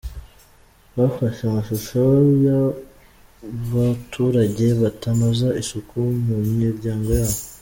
Bafashe amashusho ya baturage batanoza isuku mumiryango yabo